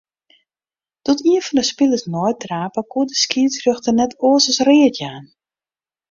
Doe't ien fan 'e spilers neitrape, koe de skiedsrjochter net oars as read jaan.